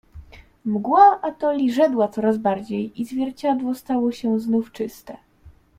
"Mgła atoli rzedła coraz bardziej, i zwierciadło stało się znów czyste."